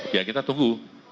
ya kita tunggu